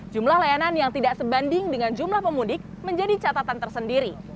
jumlah layanan yang tidak sebanding dengan jumlah pemudik menjadi catatan tersendiri